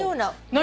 何？